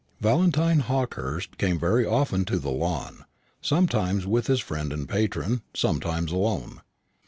Valentine Hawkehurst came very often to the Lawn, sometimes with his friend and patron, sometimes alone.